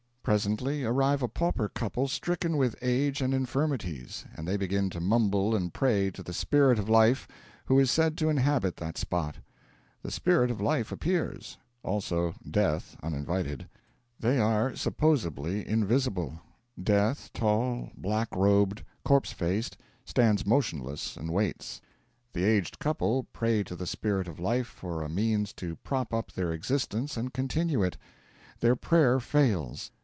Presently arrive a pauper couple stricken with age and infirmities; and they begin to mumble and pray to the Spirit of Life, who is said to inhabit that spot. The Spirit of Life appears; also Death uninvited. They are (supposably) invisible. Death, tall, black robed, corpse faced, stands motionless and waits. The aged couple pray to the Spirit of Life for a means to prop up their existence and continue it. Their prayer fails.